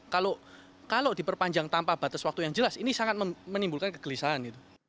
kalau diperpanjang tanpa batas waktu yang jelas ini sangat menimbulkan kegelisahan